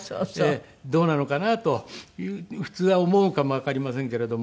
どうなのかなというふうに普通は思うかもわかりませんけれども。